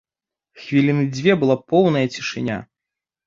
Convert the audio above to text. Хвіліны дзве была поўная цішыня.